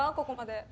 ここまで。